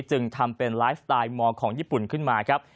จึงทำเป็นไลฟ์สไตลมอร์ของญี่ปุ่นขึ้นมาครับ